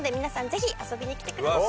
ぜひ遊びに来てください！